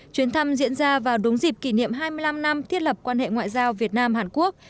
chuyến thăm diễn ra vào đúng dịp kỷ niệm hai mươi năm năm thiết lập quan hệ ngoại giao việt nam hàn quốc